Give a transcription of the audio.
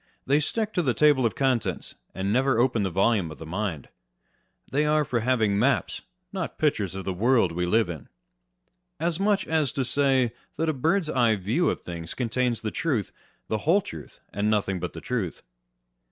They stick to the table of contents, and never open the volume of the mind. They are for having maps, not pictures of the world we live in : as much as to say 58 On Reason and Imagination. that a bird's eye view of things contains the truth, the whole truth, and nothing but the truth.